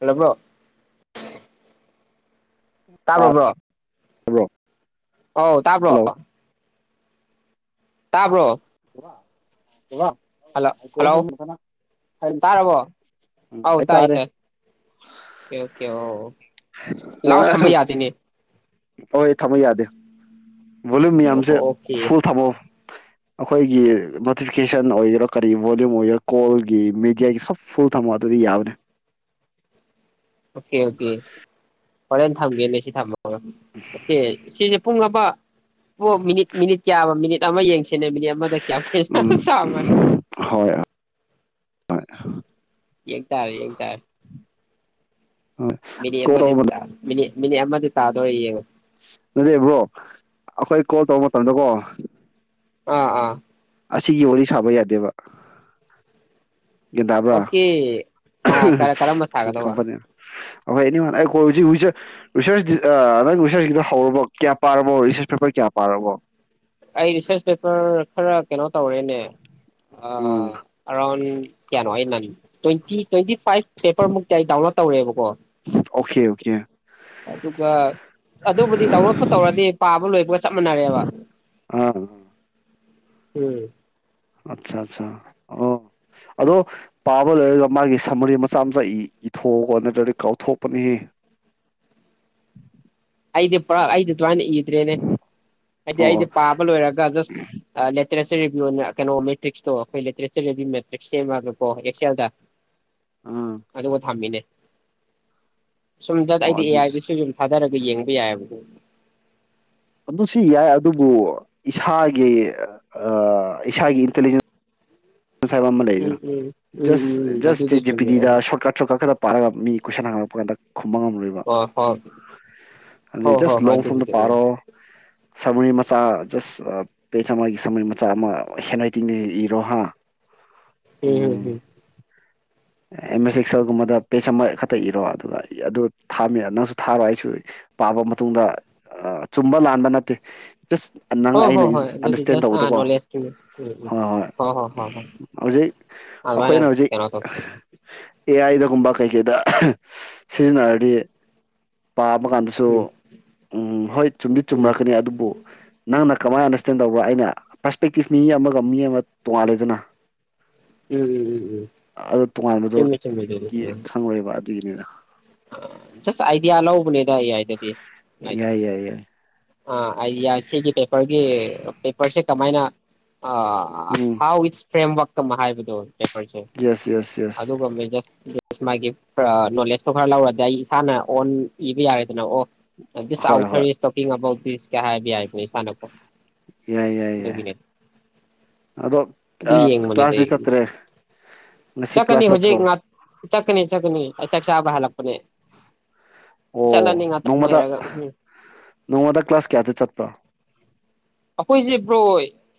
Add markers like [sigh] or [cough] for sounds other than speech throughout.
ꯍꯜꯂꯕ꯭ꯔꯣ ꯇꯥꯕ꯭ꯔꯣ bro bro ꯑꯧ ꯇꯥꯕ꯭ꯔꯣ? ꯇꯥꯕ꯭ꯔꯣ? [inaudible] ꯍꯂ ꯍꯜꯂꯣ! ꯐꯖꯅ ꯁꯥꯏꯂꯦꯟꯁ ꯇꯥꯔꯕꯣ ꯎꯝ ꯑꯥꯎ ꯑꯩ ꯇꯥꯏ- ꯇꯥꯔꯦ ꯇꯥꯏ ꯑꯣꯀꯦ ꯑꯣ ꯂꯥꯎ ꯊꯝꯕ ꯌꯥꯗꯦꯅꯦ꯫ ꯍꯣꯏ ꯊꯝꯃ ꯌꯥꯗꯦ꯫ ꯕꯣꯂꯨꯝ ꯃꯥꯌꯥꯝꯁꯦ ꯑꯣꯀꯦ ꯐꯨꯜ ꯊꯝꯃꯣ ꯫ ꯑꯩꯈꯣꯏꯒꯤ ꯅꯣꯇꯤꯐꯤꯀꯦꯁꯟ ꯑꯣꯏꯒꯦꯔꯥ ꯀꯔꯤ ꯚꯣꯂꯌꯨꯝ ꯑꯣꯏꯒꯦꯔꯥ ꯀꯣꯜꯒꯤ ꯃꯦꯗꯤꯌꯥꯒꯤ ꯁꯞꯐꯨꯜ ꯊꯝꯃꯣ ꯑꯗꯨꯗꯤ ꯌꯥꯕꯅꯤ꯫ Okay- okay. ꯍꯣꯔꯦꯟ ꯊꯝꯒꯦꯅꯦ ꯁꯤ ꯊꯝꯃꯣ ꯑꯣ ꯑꯣꯀꯦ ꯁꯤꯁꯦ ꯄꯨꯡ ꯑꯃ ꯄꯣꯛ ꯃꯤꯅꯤꯠ ꯃꯤꯅꯤꯠ ꯀꯌꯥꯕ ꯃꯤꯅꯤꯠ ꯑꯃ ꯌꯦꯡꯁꯤ ꯄꯨ ꯎꯝ ꯍꯣꯏ [unintelligible] ꯌꯦꯡ ꯇꯥꯔꯦ - ꯌꯦꯡ ꯇꯥꯔꯦ꯫ ꯍꯣꯏ ꯃꯤꯅꯤꯠ ꯀꯣꯜ ꯇꯧꯕ [unintelligible] ꯃꯤꯅꯤꯠ ꯃꯤꯅꯤꯠ ꯑꯃꯗꯤ ꯇꯥꯗꯣꯔꯤ ꯌꯦꯡꯉꯣ꯫ ꯅꯗꯦꯕ꯭ꯔꯣ ꯑꯩꯈꯣꯏ ꯀꯣꯜ ꯇꯧꯕ ꯃꯇꯝꯗꯀꯣ ꯑꯥ - ꯑꯥ꯫ ꯑꯁꯤꯒꯤ ꯋꯥꯔꯤ ꯁꯥꯕ ꯌꯥꯗꯦꯕ꯫ ꯒꯦꯟꯗꯥꯕ꯭ꯔ ꯑꯣꯀꯦ ꯑꯥ ꯀꯔꯝꯕ [unintelligible] ꯁꯥꯒꯗꯧꯕ ꯑꯩꯈꯣꯏ ꯑꯦꯅꯤ ꯋꯥꯟ ꯑꯩꯈꯣ ꯍꯧꯖꯤꯛ ꯔꯤꯁꯔꯁ ꯅꯪ ꯔꯤꯁꯔꯁꯀꯤꯗ ꯍꯧꯔꯕꯣ ꯀꯌꯥ ꯄꯥꯔꯕꯣ ꯔꯤꯁꯔꯁ ꯄꯦꯄꯔ ꯀꯌꯥ ꯄꯥꯔꯕꯣ? ꯑꯩ ꯔꯤꯁꯔꯆ ꯄꯦꯄꯔ ꯈꯔ ꯀꯩꯅꯣ ꯇꯧꯔꯦꯅꯦ ꯎꯝ ꯑꯔꯥꯎꯟ ꯀꯌꯥꯅꯣ ꯑꯩ ꯅ ꯇ꯭ꯋꯦꯟꯇꯤ ꯇ꯭ꯋꯦꯟꯇꯤ ꯐꯥꯏꯚ ꯄꯦꯄꯔꯃꯨꯛꯇꯤ ꯑꯩ ꯗꯥꯎꯟꯂꯣꯗ ꯇꯧꯔꯦꯕꯀꯣ ꯑꯣꯀꯦ ꯑꯣꯀꯦ ꯑꯗꯨꯒ ꯑꯗꯨꯕꯨꯗꯤ ꯗꯥꯎꯟꯂꯣꯗꯣ ꯇꯧꯔꯗꯤ ꯄꯥꯕ ꯂꯣꯏꯕꯒ ꯆꯞ ꯃꯥꯟꯅꯔꯦꯕ ꯑꯝ꯫ ꯎꯝ꯫ ꯑꯠꯆꯥ- ꯑꯠꯆꯥ ꯑꯣ ꯑꯗꯣ ꯄꯥꯕ ꯂꯣꯏꯔꯒ ꯃꯥꯒꯤ ꯁꯃꯔꯤ ꯃꯆꯥ- ꯃꯆꯥ ꯏꯊꯣꯛꯑꯀꯣ ꯅꯠꯇ꯭ꯔꯗꯤ ꯀꯥꯎꯊꯣꯛꯄꯅꯤꯍꯦ꯫ ꯑꯗꯤ ꯄꯨꯔ ꯑꯩꯗꯤ ꯇꯋꯥꯅ ꯏꯗ꯭ꯔꯦꯅꯦ ꯍꯥꯏꯗꯤ ꯑꯣ ꯑꯩꯗꯤ ꯄꯥꯕ ꯂꯣꯏꯔꯒ ꯖꯁ ꯂꯤꯇꯔꯦꯆꯔꯚ ꯀꯩꯅꯣ ꯃꯦ꯭ꯛꯁꯇꯣ ꯑꯩꯈꯣꯏ ꯂꯤꯇꯔꯦꯆꯔ ꯑꯈꯣꯏ ꯃꯦꯇ꯭ꯔꯤꯛ ꯁꯦꯝꯃꯒꯦꯀꯣ ꯑꯦꯛꯁꯦꯜꯗ ꯑꯥ ꯑꯗꯨꯒ ꯊꯝꯃꯤꯅꯦ꯫ ꯁꯨꯝꯗ ꯑꯣ ꯑꯩꯗꯤ ꯑꯦ ꯑꯗꯨ ꯑꯥꯏꯗꯁꯨ ꯌꯨꯝ ꯊꯥꯗꯔ ꯌꯦꯡꯕ ꯌꯥꯏꯕ꯫ ꯑꯗꯨꯁꯨ ꯌꯥꯏ ꯑꯗꯨꯕꯨ ꯏꯁꯥꯒꯤ ꯏꯁꯥꯒꯤ ꯏꯟꯇꯤꯂꯤꯖꯦꯟꯁ ꯁꯥꯏꯕ ꯑꯃ ꯎꯝ ꯎꯝ ꯎꯝ ꯎꯝ ꯎꯝ ꯂꯩꯗꯅꯁ ꯑꯗꯨꯗꯤ ꯖꯤ ꯄꯤ ꯆꯨꯝꯃꯦ ꯑꯣ ꯗꯤꯗ ꯁꯣꯔꯠꯀꯠ ꯁꯣꯔꯠꯀꯠ ꯄꯥꯔꯒ ꯃꯤ ꯀꯣꯏꯁꯟ ꯍꯥꯡꯂꯛꯄ ꯀꯥꯟꯗ ꯈꯨꯕꯥꯡ ꯉꯝꯂꯣꯏꯕ ꯍꯣꯏ ꯍꯣꯏ ꯑꯗꯩ ꯍꯣꯏ ꯍꯣꯏ ꯖꯁ ꯍꯣꯏ ꯂꯣꯡ ꯐ꯭ꯔꯣꯝ ꯗ ꯑꯗꯨꯕꯨꯗꯤ ꯎꯝ ꯎꯝ ꯄꯥꯔꯣ ꯁꯔꯃꯔꯤ ꯃꯆꯥ ꯖꯁ ꯄꯦꯖ ꯑꯃꯒꯤ ꯁꯔꯃꯔꯤ ꯃꯆꯥ ꯑꯃ ꯍꯦꯟ ꯔꯥꯏꯇꯤꯡꯗ ꯏꯔꯣ ꯍꯥ ꯎꯝ ꯍꯝꯝ ꯑꯦꯝ ꯑꯦꯁ ꯑꯦꯛꯁꯦꯜꯒꯨꯝꯕꯗ ꯄꯦꯖ ꯑꯃ ꯈꯛꯇ ꯏꯔꯣ ꯑꯗꯨꯒ ꯑꯗꯨ ꯊꯥꯝꯃꯦ ꯅꯪꯁꯨ ꯊꯥꯔꯣ ꯑꯩꯁꯨ ꯄꯥꯕ ꯃꯇꯨꯡꯗ ꯆꯨꯝꯕ ꯂꯥꯟꯕ ꯅꯠꯇꯦ ꯖꯁ ꯅꯪ ꯍꯣꯏ ꯍꯣꯏ ꯑꯩꯅ ꯍꯣꯏ ꯑꯗꯨꯗꯤ ꯑꯟꯗꯔꯁꯇꯦꯟ ꯖꯁ ꯑꯥ ꯇꯧꯕꯗꯣꯀꯣ ꯅꯣꯂꯦꯖꯀꯤꯅꯤ ꯎꯝ ꯎꯝ ꯍꯣꯏ ꯍꯣꯏ ꯍꯣꯏ ꯍꯣꯏ ꯍꯧꯖꯤꯛ ꯑꯩꯈꯣꯏꯅ ꯍꯧꯖꯤꯛ ꯆ ꯑꯦ ꯑꯥꯏꯗꯒꯨꯝꯕ ꯀꯩꯀꯩꯗ ꯁꯤꯖꯤꯟꯅꯔꯗꯤ ꯄꯥꯕ ꯀꯥꯟꯗꯁꯨ ꯎꯝ ꯎꯝ ꯍꯣꯏ ꯆꯨꯝꯗꯤ ꯎꯝ ꯎꯝ ꯎꯝ ꯆꯨꯝꯃꯛꯀꯅꯤ ꯑꯗꯨꯕꯨ ꯅꯪꯅ ꯀꯃꯥꯏꯅ ꯑꯟꯗꯔꯁꯇꯦꯟ ꯇꯧꯕ꯭ꯔꯥ ꯑꯩꯅ ꯄꯔꯁꯄꯦꯛꯇꯤꯞ ꯃꯤ ꯑꯃꯒ ꯃꯤ ꯑꯃ ꯇꯣꯉꯥꯜꯂꯦꯗꯅ ꯎꯝ ꯎꯝ ꯎꯝ ꯎꯝ ꯑꯣ ꯇꯣꯉꯥꯟꯕꯗꯣ ꯆꯨꯝꯃꯤ ꯆꯨꯝꯃꯤ ꯈꯪꯪꯂꯣꯏꯕ ꯊꯅꯦꯗ ꯁ ꯑꯥꯏꯗꯤꯌꯥ ꯑꯂ ꯎꯕ [unintelligible] ꯌꯥꯏ ꯌꯥꯏ ꯌꯥꯏ ꯑ ꯑꯩ ꯌꯥ ꯁꯤꯒꯤ ꯄꯦꯄꯔꯒꯤ ꯄꯦꯄꯔꯁꯦ ꯀꯃꯥꯏꯅ ꯑ ꯎꯝ ꯍꯥꯎ ꯏꯠꯁ ꯐ꯭ꯔꯦꯝꯋꯥꯛ ꯇꯃ ꯍꯥꯏꯕꯗꯣ ꯌꯦꯁ ꯌꯦꯁ ꯌꯦꯁ ꯑꯗꯨꯒ ꯃꯦ [unintelligible] ꯃꯥꯒꯤ ꯄ꯭ꯔ ꯅꯣꯂꯦꯖ ꯁꯣ ꯈꯔ ꯂꯧꯔꯗꯤ ꯑꯩ ꯏꯁꯥꯅ ꯑꯣꯟ ꯏꯕ ꯌꯥꯔꯦꯗꯅ ꯑꯣ ꯍꯣꯏ ꯑꯥꯎꯊ ꯍꯣꯏ ꯁꯣꯀꯤ ꯑꯕꯥꯎ ꯄꯤꯁ ꯀ ꯍꯥꯏꯕꯤ ꯌꯥꯏꯈ ꯏꯁꯥꯟ ꯌꯥꯏ ꯌꯥꯏ ꯌꯥꯏ ꯑꯗꯣ ꯑꯗꯨ ꯌꯦꯡꯕꯅꯤꯗ ꯀ꯭ꯂꯥꯁꯗꯤ ꯑꯩ ꯆꯠꯇ꯭ꯔꯦ ꯉꯁꯤ ꯀ꯭ꯂꯥꯁ ꯆꯠꯇ꯭ꯔꯣ ꯆꯀꯅꯤ ꯆꯀꯅꯤ ꯆ ꯆꯥꯕꯍꯄꯅꯦ ꯑꯣ ꯅꯣꯡꯃꯗ ꯅꯣꯡꯃꯗ ꯀ꯭ꯂꯥꯁ ꯀꯌꯥꯗ ꯆꯠꯄ꯭ꯔꯣ ꯑꯩꯈꯣꯏꯁꯦ ꯕ꯭ꯔꯣ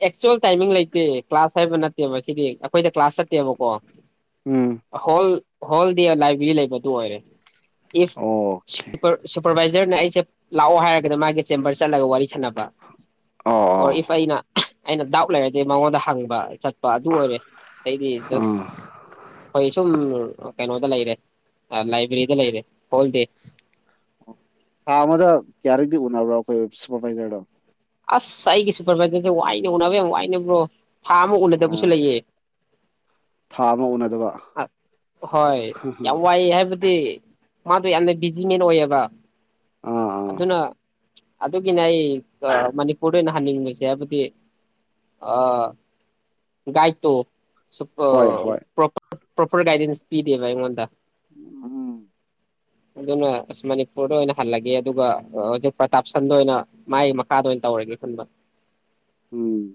ꯑꯦꯛꯆꯨꯋꯦꯜ ꯇꯥꯏꯃꯤꯡ ꯂꯩꯇꯦ ꯀ꯭ꯂꯥꯁ ꯍꯥꯏꯕ ꯅꯠꯇꯦ ꯃꯁꯤꯗꯤ ꯑꯩꯈꯣꯏꯗ ꯀ꯭ꯂꯥꯁ ꯆꯠꯇꯦꯕꯀꯣ ꯎꯝ ꯍꯣꯜ ꯍꯣꯜꯗꯤ ꯂꯥꯏꯕ꯭ꯔꯦꯔꯤ ꯂꯩꯕꯗꯨ ꯑꯣꯏꯔꯦ ꯑꯣꯀꯦ ꯏꯐ ꯁꯄꯔꯕꯥꯏ ꯑꯩꯁꯦ ꯂꯥꯛꯑꯣ ꯍꯥꯏꯔꯒꯗꯤ ꯃꯥꯒꯤ ꯆꯦꯝꯕꯔ ꯆꯠꯂꯒ ꯋꯥꯔꯤ ꯁꯅꯕ ꯑꯣ ꯏꯐ ꯏꯅꯥ ꯑꯩꯅ ꯗꯥꯎ ꯂꯩꯕꯗꯤ ꯃꯉꯣꯟꯗ ꯍꯪꯕ ꯆ ꯑꯗꯨ ꯑꯣꯏꯔꯦ ꯑꯩꯗꯤ ꯖꯁ ꯑꯥ ꯑꯩꯈꯣꯏ ꯁꯨꯝ ꯀꯩꯅꯣꯗ ꯂꯩꯔꯦ ꯂꯥꯏꯕ꯭ꯔꯦꯔꯤꯗ ꯂꯩꯔꯦ ꯍꯣꯜꯗꯤ ꯊꯥ ꯑꯃꯗ ꯀꯌꯥꯔꯤꯛꯇꯗꯤ ꯎꯅꯕ꯭ꯔꯣ ꯑꯩꯈꯣꯏ ꯁꯨꯄꯔꯚꯥꯏꯖꯔꯗ ꯑꯁ ꯑꯩꯒꯤ ꯁꯨꯄꯔꯚꯥꯏꯖꯔꯁꯦ ꯋꯥꯏꯅ ꯎꯅꯕ ꯌꯥꯝ ꯋꯥꯏꯅꯕ꯭ꯔꯣ ꯊꯥ ꯑꯃ ꯎꯅꯗꯕꯁꯨ ꯂꯩꯌꯦ ꯊꯥꯕ ꯑꯣ ꯑ ꯍꯣꯏ ꯌꯥꯝ ꯋꯥꯏꯑ ꯍꯥꯏꯕꯗꯤ ꯃꯥꯗꯣ ꯌꯥꯝꯅ ꯕꯤꯖꯤꯃꯦꯟ ꯑꯣꯏꯌꯦꯕ ꯑꯥ ꯑꯥ ꯑꯗꯨ ꯑꯗꯨꯅ ꯑꯗꯨꯒꯤꯅꯦ ꯑꯩ ꯃꯅꯤꯄꯨꯔꯗ ꯑꯣꯏꯅ ꯍꯟꯅꯤꯡꯕꯁꯦ ꯍꯥꯏꯕꯗꯤ ꯒꯥꯏꯇꯣ ꯍꯣꯏ ꯍꯣꯏ ꯣ ꯄ꯭ꯔꯣꯄꯔ ꯒꯥꯏꯗꯦꯟꯁ ꯄꯤꯗꯦꯕ ꯑꯩꯉꯣꯟꯗ ꯎꯝ ꯑꯗꯨꯅ ꯃꯅꯤꯄꯨꯔꯗ ꯑꯣꯏꯅ ꯍꯜꯂꯒꯦ ꯑꯗꯨꯒ ꯍꯧꯖꯤꯛ ꯄ꯭ꯔꯇꯥꯞꯁꯟꯗ ꯑꯣꯏꯅ ꯃꯥꯒꯤ ꯃꯈꯥꯗ ꯑꯣꯏꯅ ꯇꯧꯔꯒꯦ ꯈꯟꯕ ꯎꯝ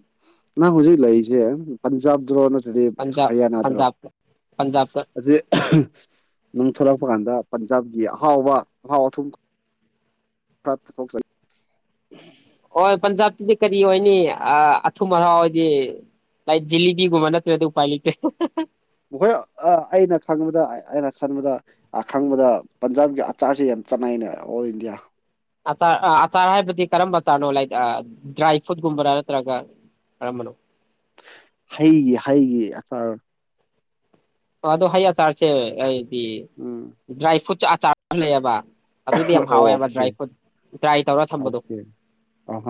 ꯅ ꯍꯧꯨꯖꯤ ꯂꯣꯏꯁꯦ ꯄꯟꯖꯥꯕ ꯗ꯭ꯔꯣꯍ ꯑꯗꯨꯗꯤ ꯄꯟꯖꯥꯕ ꯍꯔꯤꯌꯥꯅꯥꯗꯔꯣ ꯄꯟꯖꯥꯕꯇ ꯄꯟꯖꯥꯕꯇ ꯑꯁꯤ ꯪ ꯊꯣꯛꯂꯛꯄ ꯀꯥꯟꯗ ꯄꯟꯖꯥꯕꯒꯤ ꯑꯍꯥꯎꯕ ꯑꯍꯥꯎ ꯑꯊꯨꯝ ꯈꯔꯊꯣꯛꯆ ꯍꯣꯏ ꯄꯟꯖꯥꯕꯇꯗꯤ ꯀꯔꯤ ꯑꯣꯏꯅꯤ ꯑꯊꯨꯝ ꯑꯥꯎ ꯍꯥꯏꯗꯤ ꯂꯥꯏꯛ ꯖꯤꯂꯤꯕꯤꯒꯨꯝꯕ ꯅꯠꯇ꯭ꯔꯗꯤ ꯎꯄꯥꯏ ꯂꯩꯇꯦ ꯍꯣꯏ ꯑꯩꯅ ꯈꯪꯕꯗ ꯑꯩꯅ ꯈꯟꯕꯗ ꯈꯪꯕꯗ ꯄꯟꯖꯥꯕꯒꯤ ꯑꯆꯥꯔꯁꯤꯦ ꯌꯥꯝ ꯆꯅꯥꯏꯅꯦ ꯑꯣꯜ ꯏꯟꯗꯤꯌꯥ ꯑꯆꯥꯔ ꯑꯆꯥꯔ ꯍꯥꯏꯕꯗꯤ ꯀꯔꯝꯕ ꯑꯆꯥꯔꯅꯣ ꯂꯥꯏꯛ ꯗ꯭ꯔꯥꯏ ꯐ꯭ꯔꯨꯠꯀꯨꯝꯕꯔꯥ ꯅꯠꯇ꯭ꯔꯒ ꯀꯔꯝꯕꯅꯣ ꯍꯌꯦꯒꯤ ꯍꯥꯏꯌꯦꯒꯤ ꯑꯔ ꯑꯗꯨ ꯍꯌꯦ ꯆꯥꯔꯁꯦ ꯑꯩ ꯎꯝ ꯗ꯭ꯔꯥꯏ ꯐ꯭ꯔꯨꯠ ꯆꯥꯔ ꯂꯩꯑꯕ ꯑꯗꯨꯗꯤ ꯌꯥꯝ ꯍꯥꯎꯋꯦꯕ ꯑꯣꯀꯦ ꯗ꯭ꯔꯥꯏ ꯐ꯭ꯔꯨꯠ ꯗ꯭ꯔꯥꯏ ꯇꯧꯔ ꯊꯝꯕꯗꯣ ꯑꯣꯀꯦ ꯑ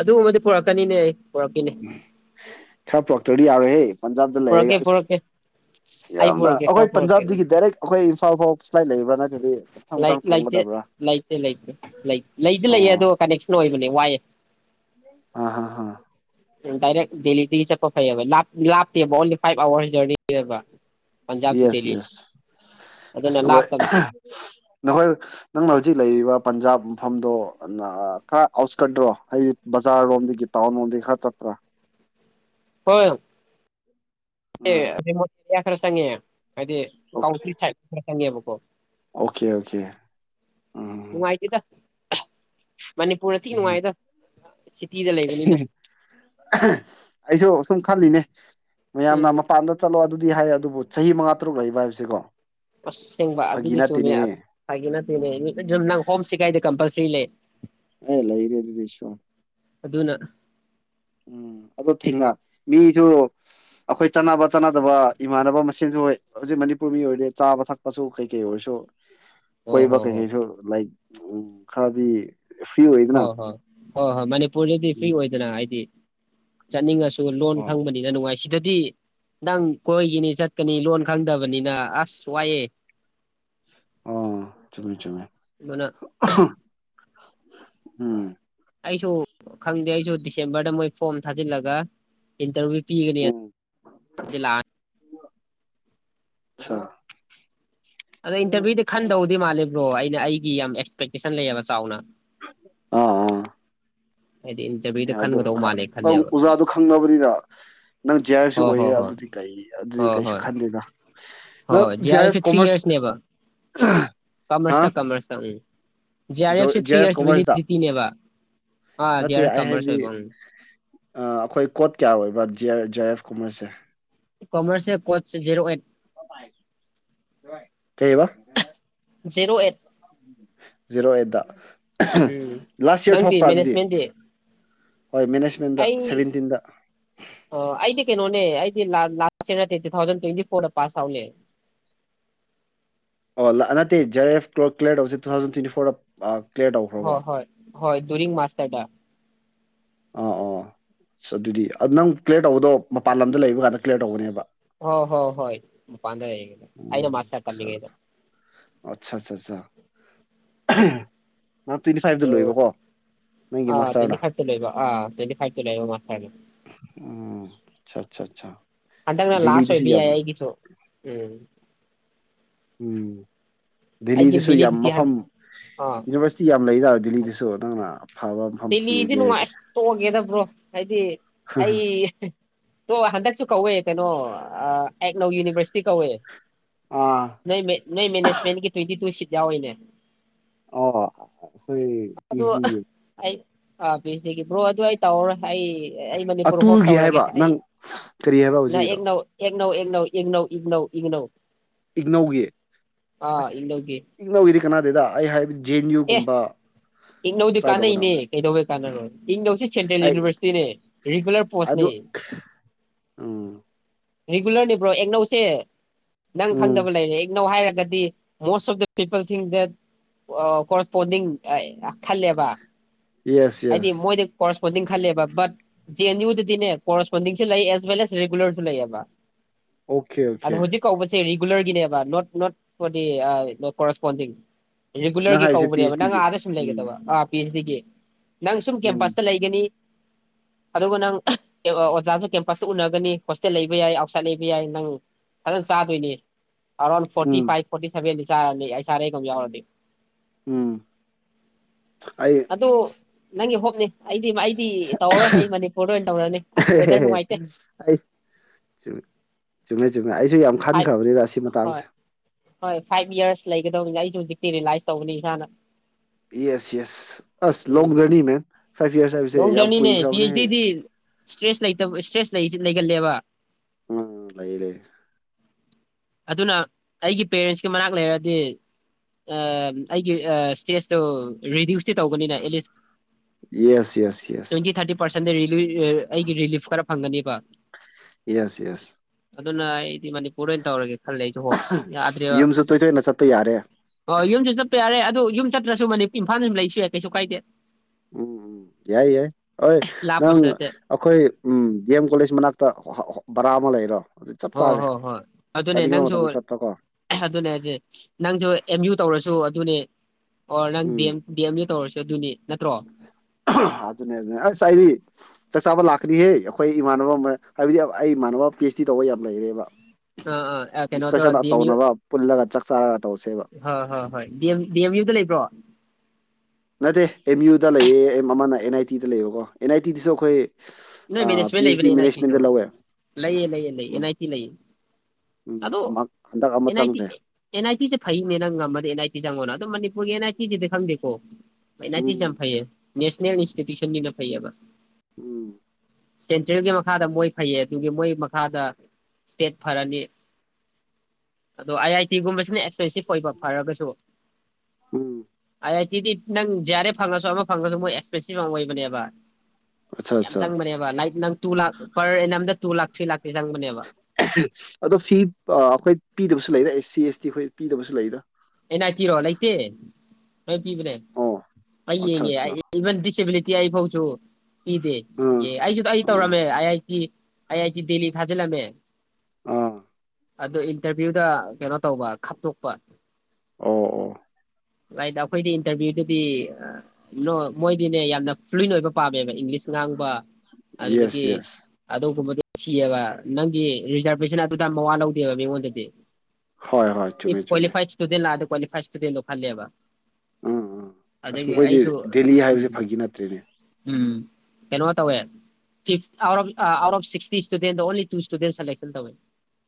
ꯑꯗꯨꯒꯨꯝꯕ ꯄꯨꯔꯛꯀꯅꯤꯅꯦ ꯑꯩ ꯄꯨꯔꯛꯈꯤꯅꯦ ꯎꯝ ꯈꯔ ꯄꯣꯛꯛꯇꯗꯤ ꯌꯥꯔꯣꯏꯍꯦ ꯄꯟꯖꯥꯕꯇ ꯂꯩꯔꯒ ꯄꯨꯔꯛꯀꯦ ꯑꯁ ꯄꯨꯔꯛꯀꯦ ꯑꯩ ꯌꯥꯝꯅ ꯄꯨꯔꯛꯀꯦ ꯈꯔ ꯑꯩꯈꯣꯏ ꯄꯨꯔꯛꯀꯦ ꯎꯝ ꯄꯟꯖꯥꯕꯗꯒꯤ ꯗꯥꯏꯔꯦꯛ ꯑꯩꯈꯣꯏ ꯏꯝꯐꯥꯜ ꯐꯥꯎ ꯐ꯭ꯂꯥꯏꯠ ꯂꯩꯕ꯭ꯔꯥ ꯅꯠꯇ꯭ꯔꯗꯤ ꯃꯊꯪ ꯃꯊꯪ ꯂꯩꯇꯦ ꯂꯩꯇꯦ ꯇꯣꯡꯒꯗꯕ꯭ꯔꯥ ꯂꯩꯇꯦ ꯂꯩꯇ ꯂꯩꯗꯤ ꯂꯩꯌꯦ ꯑꯣ ꯑꯗꯣ ꯀꯅꯦꯛꯁꯟ ꯑꯣꯏ ꯋꯥꯏ ꯑ ꯑꯥ ꯑ ꯗꯥꯏꯔꯦ ꯗꯦꯂꯤꯇ ꯆꯄ ꯐꯩꯕꯦ ꯂ ꯂꯥꯇꯕꯣꯜ ꯐꯥꯏꯚ ꯑꯋꯥꯔꯁ ꯖꯔꯅꯤꯕ ꯌꯦꯁ ꯌꯦꯁ ꯑꯗꯨꯅ ꯑꯣꯏ ꯂꯥꯞꯇꯕ ꯅꯈꯣꯏ ꯅꯪꯅ ꯍꯧꯖꯤꯛ ꯂꯩꯔꯤꯕ ꯄꯟꯖꯥꯕ ꯃꯐꯝꯗꯣ ꯈꯔ ꯑꯥꯎꯠꯁꯀꯠꯇ꯭ꯔꯣ ꯑꯩꯗꯤ ꯕꯖꯥꯔ ꯂꯣꯝꯗꯒꯤ ꯇꯥꯎꯟ ꯂꯣꯝꯗꯒꯤ ꯈꯔ ꯆꯠꯄ꯭ꯔꯥ ꯍꯣꯏ ꯎꯝ [unintelligible] ꯈꯔ ꯆꯪꯉꯦ ꯍꯥꯏꯗꯤ ꯑꯣꯀꯦ ꯀꯥꯎꯇ ꯁꯥꯏꯠ ꯆꯉꯦꯕꯀꯣ ꯑꯣꯀꯦ ꯑꯣꯀꯦ ꯎꯝ ꯃꯅꯤꯄꯨꯔꯗ ꯊꯤ ꯎꯝ ꯅꯨꯡꯉꯥꯏꯗ ꯁꯤꯇꯤꯗ ꯂꯩꯕꯅꯤꯅ ꯑꯩꯁꯨ ꯁꯨꯝ ꯐꯅꯤꯅꯦ ꯃꯌꯥꯝ ꯎꯝ ꯄꯥꯟꯗ ꯆꯂꯣ ꯑꯗꯨ ꯍꯥꯏ ꯑꯗꯨꯕꯨ ꯆꯍꯤ ꯃꯉꯥ ꯇꯔꯨꯛ ꯂꯩꯕ ꯍꯥꯏꯕꯁꯤꯀꯣ ꯑꯁꯦꯡꯕ ꯐꯥꯒꯤ ꯑꯗꯨꯗꯤ ꯆꯨꯝꯅꯦ ꯅꯠꯇꯦꯅꯦ ꯑꯁ ꯍꯥꯏꯒꯤ ꯅꯠꯇꯦꯅꯦ ꯅꯪ ꯍꯣꯝ ꯁꯤꯒꯥꯏꯗ ꯀꯝꯄꯜꯁꯔꯤ ꯂꯩ ꯑꯦ ꯂꯩꯥꯏꯔꯦꯗꯤꯗꯔꯤ ꯁꯣ ꯑꯗꯨꯅ ꯎꯝ ꯑꯣ ꯊꯦꯡꯉ ꯃꯤꯁꯨ ꯑꯩꯈꯣꯏ ꯆꯥꯟꯅꯕ ꯆꯥꯟꯅꯗꯕ ꯏꯃꯥꯟꯅꯕ ꯃꯁꯦꯟꯁꯨ ꯍꯣꯏ ꯍꯧꯖꯤꯛ ꯃꯅꯤꯄꯨꯔ ꯃꯤ ꯑꯣꯏꯔꯦ ꯆꯥꯕ ꯊꯛꯄꯁꯨ ꯀꯩ ꯀꯩ ꯑꯣꯏꯔꯁꯨ ꯑꯣ ꯀꯣꯏ ꯋꯥ ꯍꯣ ꯀꯩ ꯍꯣ ꯀꯩꯁꯨ ꯂꯥꯏꯛ ꯎꯝ ꯈꯔꯗꯤ ꯐ꯭ꯔꯤ ꯑꯣꯏꯗꯅ ꯍꯣꯏ ꯍꯣꯏ ꯍꯣꯏ ꯍꯣꯏ ꯃꯅꯤꯄꯨꯔꯗꯗꯤ ꯐ꯭ꯔꯤ ꯎꯝ ꯑꯣꯏꯗꯅ ꯍꯥꯏꯗꯤ ꯆꯅꯤꯡꯒ ꯂꯣꯟ ꯍꯣꯏ ꯈꯪꯕꯅꯤꯅ ꯅꯨꯡꯉꯥꯏꯁꯤ ꯑꯗꯨꯗꯤ ꯅꯪ ꯀꯣꯏꯒꯤꯅꯤ ꯆꯠꯀꯅꯤ ꯂꯣꯟ ꯈꯪꯗꯕꯅꯤꯅ ꯑꯁ ꯋꯥꯏꯑꯦ ꯑꯣ ꯆꯃꯦ ꯆꯃꯦ ꯑꯗꯨꯅ ꯎꯝ ꯑꯩꯁꯨ ꯈꯪꯗꯦ ꯑꯩꯁꯨ ꯗꯤꯁꯦꯝꯕꯔꯗ ꯃꯣꯏ ꯐꯣꯔꯝ ꯊꯥꯖꯤꯜꯂꯒ ꯏꯟꯇꯔꯚꯤꯌꯨ ꯎꯝ ꯄꯤꯒꯅꯤ ꯂ ꯑꯆꯥ ꯑꯗ ꯏꯟꯇꯔꯚ꯭ꯨꯗꯤ ꯈꯟꯗꯧꯗꯤ ꯃꯥꯂ ꯔꯣ ꯑꯩꯅ ꯑꯩꯒꯤ ꯌꯥꯝ ꯑꯦꯛꯁꯄꯦꯛꯇꯦꯁꯟ ꯂꯩꯌꯦꯕ ꯆꯥꯎꯅ ꯑꯥ ꯑꯥ ꯍꯥꯏꯗꯤ ꯏꯟꯇꯔꯚꯤꯌꯨꯗ ꯑꯦ ꯈꯟꯒꯗꯧ ꯑꯗꯨꯗ ꯃꯥꯜꯂꯦ ꯅꯪ ꯈꯜꯂꯦꯕ ꯑꯣꯖꯥꯗꯣ ꯈꯪꯅꯕꯅꯤꯅ ꯅꯪ ꯖꯦ ꯍꯥꯏꯔꯁꯨ ꯍꯣ ꯍꯣ ꯑꯣꯏꯌꯦ ꯍꯣꯏ ꯑꯗꯨꯗꯤ ꯀꯩ ꯑꯗꯨꯗꯤ ꯀꯩꯁꯨ ꯈꯟꯗꯦꯗ ꯍ ꯅꯪ ꯦ G R ꯑꯔꯁ F three commerce ꯏꯔꯁꯅꯦꯕ ꯀꯃꯔꯁ ꯍꯥ ꯇ ꯀꯃꯔꯁ ꯊ ꯎꯝ ꯖꯤ ꯑꯥꯔ ꯑꯦꯐ ꯁꯤ ꯊ꯭ꯔꯤ ꯏꯔꯁ ꯚꯦꯂꯤꯗꯤꯇꯤꯅꯦꯕ ꯑꯥ ꯗꯤ ꯅꯠꯇꯦ ꯑꯥꯔ ꯑꯦꯐ ꯑꯩ ꯀꯃꯔꯁ ꯍꯥꯏꯕꯗꯤ ꯑꯣꯏꯕ ꯑꯩꯈꯣꯏ ꯀꯣꯠ ꯀꯌꯥ ꯑꯣꯏꯕ ꯖꯦ ꯑꯦꯐ ꯀꯨꯝꯃꯔꯁꯦ ꯀꯣꯃꯔꯁ ꯀꯣꯆꯣ ꯀꯩꯕ ꯖꯤꯔꯣ ꯑꯩꯠ ꯖꯤꯔꯣ ꯑꯩꯠꯇꯠꯇ ꯎꯝ ꯂꯥꯁ ꯌꯌꯥꯔ ꯅꯪꯗꯤ ꯊꯣꯛꯄ꯭ꯔꯥ ꯑꯗꯨꯗꯤ ꯃꯦꯅꯦꯖꯃꯦꯟꯗꯤ ꯍꯣꯏ ꯃꯦꯅꯦꯖꯃꯦꯟꯗ ꯑꯩ ꯁꯚꯦꯟꯇꯤꯟꯗ ꯑꯩꯗꯤ ꯀꯩꯅꯣꯅꯦ ꯑꯩꯗꯤ ꯂꯥꯁ ꯏꯔ ꯅꯠꯇꯦ ꯇꯨ ꯊꯥꯎꯖꯟ ꯇ꯭ꯋꯦꯟꯇꯤ ꯐꯣꯔꯗ ꯄꯥꯁ ꯇꯂꯦ ꯑꯣ ꯅꯠꯇꯦ ꯖꯦꯔ ꯑꯦꯐꯔꯁꯦ ꯇꯨ ꯊꯥꯎꯖꯟ ꯇ꯭ꯋꯦꯟꯇꯤ ꯐꯣꯔꯗ ꯀ꯭ꯂꯤꯌꯥꯔ ꯇꯧꯈ꯭ꯔꯕꯣ ꯍꯣꯏ ꯍꯣꯏ ꯍꯣꯏ ꯗꯔꯤ ꯃꯥꯁꯇꯔ ꯑ ꯑꯣ ꯑꯁ ꯑꯗꯨꯗꯤ ꯅꯪ ꯀ꯭ꯂꯤꯌꯥꯔ ꯇꯧꯕꯗꯣ ꯃꯄꯥꯟ ꯂꯝꯗ ꯂꯩꯕ ꯀꯥꯟꯗ ꯀ꯭ꯂꯤꯌꯥꯔ ꯇꯧꯒꯅꯦꯕ ꯍ ꯍꯣꯏ ꯍꯣꯏ ꯃꯄꯥꯟꯗ ꯂꯩꯔꯤꯉꯩꯗ ꯑꯩꯅ ꯎꯝ ꯃꯥꯁꯇꯔ ꯑꯆꯥ ꯇꯝꯃꯤꯉꯩꯗ ꯑꯆꯥ ꯑꯆꯥ [unintelligible] ꯐꯥꯏꯚꯇ ꯂꯣꯏꯕꯀꯣ ꯅꯪꯒꯤ ꯑꯣ ꯑ ꯇ꯭ꯋꯦꯟꯇꯤ ꯃꯥꯁꯇꯔꯗ ꯐꯥꯏꯚꯇ ꯂꯣꯏꯕ ꯑ ꯇ꯭ꯋꯦꯟꯇꯤ ꯐꯥꯏꯚꯇ ꯂꯕ ꯑꯆꯥ ꯑꯆꯥ ꯍꯟꯗꯛꯅ ꯂꯥꯁ ꯑꯣꯏꯕ ꯌꯥꯏ ꯑꯩꯒꯤꯁꯨ ꯎꯝ ꯎꯝ ꯑꯩꯒꯤ ꯗꯦꯜꯂꯤꯗꯁꯨ ꯌꯥꯝ ꯚꯦꯂꯤꯗꯤꯇꯤ ꯍꯟ ꯃꯐꯝ ꯑꯥ ꯌꯨꯅꯤꯚꯔꯁꯤꯇꯤ ꯌꯥꯝ ꯂꯩꯗꯅ ꯗꯤꯜꯂꯤꯗꯤꯁꯨꯣ ꯅꯪꯅ ꯑꯐꯕ ꯃꯐꯝ ꯗꯦꯜꯂꯤꯗꯤ ꯊꯤꯔꯒꯦꯗꯤ ꯅꯨꯡꯉꯥꯏ ꯇꯣꯛꯑꯒꯦꯗꯕ꯭ꯔꯣ ꯍꯥꯏꯗꯤ ꯑꯩ ꯇꯣ ꯍꯟꯗꯛꯁꯨ ꯀꯧ ꯇꯩꯅꯣ ꯅ ꯌꯨꯅꯤꯔꯁ ꯀꯕꯨꯦ ꯑꯥ ꯅ ꯅ ꯃꯦꯅꯦꯖꯃꯦꯟꯀꯤ ꯇ꯭ꯋꯦꯟꯇꯤ ꯇꯨ ꯁꯤꯠ ꯌꯥ ꯑꯣꯏꯅꯦ ꯑ ꯁ ꯄꯤꯁꯅꯤ ꯑ ꯁꯒꯤꯕ꯭ꯔꯣ ꯑꯗꯨ ꯑꯩ ꯇꯧ꯭ꯔꯦ ꯑꯩ ꯑꯩ ꯃꯅꯤꯄꯨꯔ ꯍꯣꯞ ꯑꯇꯨꯜꯒꯤ ꯇꯧꯔꯒꯦ ꯍꯥꯏꯕ ꯑꯩ ꯅꯪ ꯀꯔꯤ ꯍꯥꯏꯕ ꯍꯧꯖꯤꯛꯀꯤꯗꯣ ꯏꯪꯅꯧ ꯏꯡꯅꯧ ꯏꯪꯅꯧ ꯏꯪꯅꯧ ꯏꯪꯅꯧ ꯏꯛꯅꯧꯒꯤ ꯑꯁ ꯏꯛꯅꯧꯒꯤ ꯏꯛꯅꯧꯒꯤꯗꯤ ꯀꯅꯥꯗꯗ ꯑꯩ ꯍꯥꯏꯕꯗꯤ ꯖꯦ ꯑꯦꯟ ꯌꯨꯒꯨꯝꯕ ꯏꯪꯅꯧꯗꯤ ꯇ꯭ꯔꯥꯏ ꯀꯥꯟꯅꯩꯅꯦ ꯇꯧꯒꯗꯕꯅꯦ ꯀꯩꯗꯧꯕꯩ ꯀꯥꯟꯅꯔꯣꯏ ꯏꯪꯅꯧꯁꯤ ꯁꯦꯟꯇ꯭ꯔꯦꯜ ꯑꯩ ꯌꯨꯅꯤꯚꯔꯁꯤꯇꯤꯅꯦ ꯔꯤꯒꯨꯂꯔ ꯄꯣꯁꯅꯤ ꯑꯗꯨ ꯎꯝ ꯔꯤꯒꯨꯂꯔꯅꯦꯕ꯭ꯔꯣ ꯑꯦꯛꯅꯧꯁꯦ ꯅꯪ ꯎꯝ ꯈꯪꯗꯕ ꯂꯩꯔꯦ ꯏꯪꯅꯧ ꯍꯥꯏꯔꯦ ꯣꯁ ꯗ ꯄꯤꯜ ꯗ ꯀꯣꯔꯁꯄꯣꯟꯗꯤꯡ ꯈꯜꯂꯦꯕ ꯌꯦꯁ ꯍꯥꯏꯗꯤ ꯌꯦꯁ ꯃꯣꯏꯗꯤ ꯄ ꯣꯟꯗꯤꯡ ꯈꯜꯂꯦꯕ ꯕꯠ ꯖ ꯑꯦꯟ ꯌꯨꯗꯗꯤꯅꯦ ꯀꯣꯔꯁꯄꯣꯟꯗꯤꯡꯁꯨ ꯂꯩ ꯑꯦꯁ ꯋꯦꯜ ꯑꯦꯁ ꯔꯤꯒꯨꯂꯔꯁꯨ ꯂꯩꯑꯕ ꯑꯣꯀꯦ ꯑꯣꯀꯦ ꯔꯤꯒꯨꯂꯔꯒꯤꯅꯦꯕ ꯅꯣꯠ ꯅꯣꯠ ꯀꯣꯔꯁꯄꯣꯟꯗꯤꯡ ꯅꯪ ꯔꯤꯒꯨꯂꯔꯒꯤ ꯍꯥꯏꯔꯤꯁꯦ ꯄꯤ ꯀꯧꯕꯅꯦꯕ ꯑꯩꯆ ꯅꯪ ꯗꯤꯒꯤ ꯑꯥ ꯎꯝ ꯂꯩꯦꯗꯕ ꯄꯤꯔꯁꯤꯒꯦ ꯅꯪ ꯁꯨꯝ ꯎꯝ ꯀꯦꯝꯄꯁꯇ ꯂꯩꯒꯅꯤ ꯑꯗꯨꯒ ꯅꯪ ꯑꯣꯖꯥꯁꯨ ꯀꯦꯝꯄꯁꯇ ꯎꯅꯒꯅꯤ ꯍꯣꯁꯇꯦꯜ ꯂꯩꯕ ꯌꯥꯏ ꯑꯥꯎꯠꯁꯥꯏꯠ ꯂꯩꯕ ꯌꯥꯏ ꯅꯪ ꯐꯖꯅ ꯆꯥꯗꯣꯏꯅꯦ ꯑꯔꯥꯎ ꯐꯣꯔ ꯎꯝ ꯐꯚ ꯐꯚ ꯆ ꯁꯔꯦ ꯀꯖꯔꯗꯤ ꯎꯝ ꯑꯩ ꯑꯗ ꯅꯪ ꯍ ꯎ ꯑꯩꯗꯤ ꯑꯩꯗꯤ ꯇꯧꯔꯔꯣꯏ ꯑꯩ ꯃꯅꯤꯄꯨꯔꯗ ꯑꯣꯏꯅ ꯇꯧꯔꯅꯤ ꯑꯁꯁꯨ ꯋꯦꯗꯔ ꯅꯨꯡꯉꯥꯏꯇꯦ ꯆꯨꯝ ꯑꯩꯁꯨ ꯌꯥꯝ ꯐꯥꯏꯚ ꯈꯟꯈ꯭ꯔꯕꯅꯤꯗ ꯁꯤ ꯍꯣꯏ ꯃꯇꯥꯡꯁꯦ ꯍꯣꯏ ꯐꯥꯏꯚ ꯌꯔꯁ ꯂꯩꯒꯗꯧꯅꯤꯅ ꯑꯩꯁꯨ ꯍꯧꯖꯤꯛꯇꯤ ꯔꯤꯂꯥꯏꯁ ꯇꯧꯕꯅꯤ ꯏꯁꯥꯅ ꯌꯦꯁ ꯌꯦꯁ ꯑꯁ ꯂꯣꯡ ꯎꯝ ꯖꯔꯅꯤ ꯃ ꯂꯣꯡ ꯖꯔꯅꯤꯅꯦ ꯄꯤ ꯑꯩꯆ ꯗꯤ ꯏꯁꯇ꯭ꯔꯦꯁ ꯂꯩꯇꯕ ꯏꯁꯇ꯭ꯔꯦꯁ ꯀꯜꯂꯤꯦꯕ ꯎꯝ ꯂꯩ ꯂꯩ ꯑꯗꯨꯅ ꯑꯩꯒꯤ ꯄꯦꯔꯦꯟꯁꯀꯤ ꯃꯅꯥꯛ ꯂꯩꯔꯗꯤ ꯑꯩꯒꯤ ꯏꯁꯇꯦꯖꯇꯨ ꯔꯤꯗ꯭ꯌꯨꯁꯇꯤ ꯇꯧꯒꯅꯤꯅ ꯑꯦꯠꯂꯤꯁ ꯌꯦꯁ ꯌꯦꯁ ꯌꯦꯁ ꯆ ꯑꯩꯒꯤ ꯔꯤꯂꯤꯐ ꯈꯔ ꯐꯪꯒꯅꯦꯕ ꯌꯦꯁ ꯌꯦꯁ ꯑꯗꯨ ꯂꯥꯏ ꯏꯗꯤ ꯃ ꯇꯧꯔꯒꯦ ꯈꯜꯂꯦ ꯑꯩꯁꯨ ꯍꯣꯁ ꯌꯨꯝꯁꯨ ꯌꯥꯗ꯭ꯔꯦꯕꯗ ꯇꯣꯏ ꯇꯣꯏꯅ ꯆꯠꯄ ꯌꯥꯔꯦ ꯑꯣ ꯌꯨꯝꯁꯨ ꯆꯠꯄ ꯌꯥꯔꯦ ꯑꯗꯨ ꯌꯨꯝ ꯆꯠꯇ꯭ꯔꯁꯨ ꯃꯅꯤ ꯏꯝꯥꯜ ꯌ ꯂꯩꯁꯨ ꯌꯥꯏ ꯀꯩꯁꯨ ꯀꯥꯏꯗꯦ ꯎꯝ ꯎꯝ ꯌꯥꯏ ꯌꯥꯏ ꯍꯣꯏ ꯅꯪ ꯂꯥꯞꯄꯁꯨ ꯅꯠꯇꯦ ꯑꯩꯈꯣꯏ ꯎꯝ ꯗꯤ ꯑꯦꯝ ꯀꯣꯂꯦꯖ ꯃꯅꯥꯛꯇ ꯕꯔꯥ ꯑꯃ ꯂꯩꯔꯣ ꯑꯗꯨ ꯆꯞ ꯍꯣꯏ ꯆꯥꯔꯦ ꯍꯣꯏ ꯍꯣꯏ ꯑꯗꯨꯅꯦ ꯆꯠꯅꯤꯡꯕ ꯅꯪꯁꯨ ꯃꯇꯝꯗ ꯆꯠꯄ ꯀꯣ ꯑꯥ [inaudible] ꯑꯗꯨꯅꯦ ꯍꯥꯏꯖꯦ ꯅꯪꯁꯨ ꯑꯦꯝ ꯌꯨ ꯇꯧꯔꯁꯨ ꯑꯗꯨꯅꯦ ꯑꯣ ꯅꯪ ꯗꯤ um M D M U ꯇꯧꯔꯁꯤ ꯑꯗꯨꯅꯤ ꯅꯠꯇ꯭ꯔꯣ ꯑꯗꯨꯅꯦ ꯑꯗꯨꯅꯦ ꯑꯁ ꯑꯩꯗꯤ ꯆꯥꯛ ꯆꯥꯕ ꯂꯥꯛꯀꯅꯤꯌꯪ ꯑꯩꯈꯣꯏ ꯏꯃꯥꯟꯅꯕ ꯃꯌꯥ ꯍꯥꯏꯕꯗꯤ ꯑꯩ ꯏꯃꯥꯟꯅꯕ ꯄꯤ ꯑꯩꯆ ꯗꯤ ꯇꯧꯕ ꯌꯥꯝ ꯂꯩꯔꯦꯕ ꯑꯥ ꯑꯥ ꯑꯥ ꯀꯩꯅꯣ ꯇꯧꯔ ꯗꯤꯁ꯭ꯀꯁꯟ ꯑꯥ ꯗꯤ ꯑꯦꯝ ꯌꯨ ꯇꯧꯅꯕ ꯄꯨꯟꯂꯒꯥ ꯆꯛ ꯆꯥꯛ ꯇꯧꯁꯦꯕ ꯍꯣꯏ ꯍꯣꯏ ꯍꯣꯏ ꯗꯤ ꯑꯦꯝ ꯗꯤ ꯑꯦꯝ ꯌꯨꯗ ꯂꯩꯕ꯭ꯔꯣ ꯅꯠꯇꯦ ꯑꯦꯝ ꯌꯨꯗ ꯂꯩꯌꯦ ꯑꯩ ꯃꯃꯥꯅ ꯑꯦꯟ ꯑꯥꯏ ꯇꯤꯗ ꯂꯩꯌꯦꯕꯀꯣ ꯑꯦꯟ ꯑꯥꯏ ꯇꯤꯗꯁꯨ ꯑꯩꯈꯣꯏ ꯅꯣꯏ ꯄꯤ ꯃꯦꯅꯦꯖꯃꯦꯟꯇ ꯑꯩꯆ ꯂꯩꯕꯅꯦ ꯗꯤ ꯑꯦꯟ ꯑꯥꯏ ꯇꯤꯁꯨ ꯃꯦꯅꯦꯖꯃꯦꯟꯗ ꯂꯧꯋꯦ ꯂꯩꯌꯦ ꯂꯩꯌꯦ ꯂꯩꯌꯦ ꯑꯦꯟ ꯎꯝ ꯑꯥꯏ ꯇꯤ ꯂꯩꯌꯦ ꯎꯝ ꯑꯗꯣ ꯑꯃ ꯍꯟꯗꯛ ꯑꯃ ꯑꯦꯟ ꯑꯥꯏ ꯇꯤ ꯆꯪꯗ꯭ꯔꯦ ꯑꯦꯟ ꯑꯦꯟ ꯑꯥꯏ ꯇꯤꯖꯦ ꯐꯩꯅꯦ ꯅꯪ ꯉꯝꯃꯗꯤ ꯑꯦꯟ ꯑꯥꯏ ꯇꯤ ꯆꯪꯉꯣꯅ ꯗꯣ ꯃꯅꯤꯄꯨꯔꯒꯤ ꯑꯦꯟ ꯑꯥꯏ ꯇꯤ ꯒꯤ ꯗꯤ ꯈꯪꯗꯦꯀꯣ ꯑꯦꯟ ꯑꯥꯏ ꯇꯤ ꯖꯦ ꯎꯝ ꯌꯥꯝ ꯐꯩꯌꯦ ꯅꯦꯁꯅꯦꯜ ꯏꯟꯁ꯭ꯇꯤꯇꯤꯎꯁꯟ ꯐꯩꯌꯦꯕ ꯎꯝ ꯁꯦꯟꯇ꯭ꯔꯦꯜꯒꯤ ꯃꯈꯥꯗ ꯃꯣꯏ ꯐꯩꯌꯦ ꯑꯗꯨꯒꯤ ꯃꯣꯏꯒꯤ ꯃꯈꯥꯗ ꯁꯇꯦꯠ ꯐꯔꯅꯤ ꯑꯗꯣ ꯑꯥꯏ ꯑꯥꯏ ꯇꯤꯒꯨꯝꯕꯁꯤꯅ ꯑꯦꯁ ꯑꯦ ꯁꯤ ꯐꯩꯕ ꯐꯔꯒꯁꯨ ꯎꯝ ꯑꯥꯏꯑꯥꯏ ꯗꯤꯗꯤꯠ ꯅꯪ ꯖꯥꯔꯦ ꯐꯪꯉꯥꯁꯨ ꯑꯃ ꯐꯪꯉꯁꯨ ꯃꯣꯏ ꯑꯦꯛꯁꯄꯦꯟꯁꯤꯕ ꯌꯝ ꯑꯣꯏꯕꯅꯦꯕ ꯑꯁꯥ ꯌꯥꯝ ꯑꯁꯥ ꯆꯪꯕꯅꯦꯕ ꯂꯥꯏꯛ ꯅꯪ ꯇꯨ ꯂꯥꯛ ꯄꯔ ꯑꯦꯟ ꯑꯦꯝꯗ ꯇꯨ ꯂꯥꯛ ꯊ꯭ꯔꯤ ꯂꯥꯛꯈ ꯑꯗꯣ ꯐꯤ ꯑꯥ ꯑꯩꯈꯣꯏ ꯄꯤꯗꯕꯁꯨ ꯂꯩꯔꯦ ꯑꯦ ꯁꯤ ꯑꯦꯁ ꯇꯤ ꯑꯩꯈꯣꯏ ꯄꯤꯗꯕꯁꯨ ꯂꯩꯗ ꯑꯦꯟ ꯑꯥꯏ ꯇꯤ ꯔꯣ ꯂꯩꯇꯤ ꯍꯣꯏ ꯄꯤꯕꯅꯦ ꯑꯣ ꯑꯩ ꯑꯠꯆꯥ ꯌꯦꯡꯉꯦ ꯑꯥꯏ ꯑꯠꯆꯥ ꯏ ꯏꯚꯟ ꯗꯤꯁꯑꯦꯕꯤꯂꯤ ꯇꯤ ꯑꯥꯏ ꯐꯧꯆꯨ ꯄꯤꯗꯦ ꯑꯥ ꯑꯦ ꯑꯩꯖꯨ ꯑꯩꯖꯨ ꯑꯥ ꯇꯧꯔꯝꯃꯦ ꯑꯥꯏ ꯑꯥꯏ ꯏ ꯑꯥꯏ ꯑꯥꯏ ꯇꯤ ꯗꯦꯜꯂꯤ ꯗ ꯊꯥꯖꯜꯂꯝꯃꯦ ꯑꯥ ꯑꯗꯨ ꯏꯟꯇꯔꯚ꯭ꯌꯨꯗ ꯀꯩꯅꯣ ꯇꯧꯕ ꯈꯞꯇꯣꯛꯄ ꯑꯣ ꯑꯣ ꯂꯥꯏꯗ ꯑꯩꯈꯣꯏꯗꯤ ꯏꯟꯇꯔꯚ꯭ꯌꯨꯗꯨꯗꯤ ꯃꯣꯏꯗꯤꯅꯦ ꯌꯥꯝꯅ ꯐ꯭ꯂꯨꯑꯦꯟꯠ ꯑꯣꯏꯕ ꯄꯥꯝꯃꯦꯕ ꯏꯪꯂꯤꯁ ꯉꯥꯡꯕ ꯌꯦꯁ ꯑꯗꯨꯗꯒꯤ ꯌꯦꯁ ꯑꯗꯨꯒꯨꯝꯕꯗꯣ ꯁꯤꯌꯦꯕ ꯅꯪꯒꯤ ꯔꯤꯖꯥꯔꯕꯦꯁꯟ ꯑꯗꯨꯗ ꯃꯋꯥ ꯂꯧꯗꯦꯕ ꯃꯤꯉꯣꯟꯗꯗꯤ ꯍꯣꯏ ꯍꯣꯏ ꯆꯨꯝꯃꯦ ꯆꯨꯝꯃꯦ ꯂꯛ ꯑꯁꯨ ꯀ꯭ꯋꯥꯂꯤꯐꯥꯏ ꯁ꯭ꯇꯨꯗꯦꯟꯇ ꯗꯣ ꯈꯜꯂꯦꯕ ꯎꯝ ꯎꯝ ꯑꯁ ꯑꯗꯒꯤ ꯃꯈꯣꯏꯗꯤ ꯑꯩꯁꯨ ꯗꯦꯜꯂꯤ ꯍꯥꯏꯕꯕꯁꯤꯦ ꯐꯒꯤ ꯅꯠꯇ꯭ꯔꯤꯅꯦ ꯀꯩꯅꯣ ꯇꯧꯋꯦ ꯐꯤ ꯑꯥꯎꯠ ꯑꯣꯐ ꯁꯤꯛꯁꯇꯤ ꯏꯁꯇꯨꯗꯦꯟꯗ ꯑꯣꯟꯂꯤ ꯇꯨ ꯏꯁꯇꯨꯗꯦꯟ ꯁꯦꯂꯦꯛꯁꯟ ꯇꯧꯋꯦ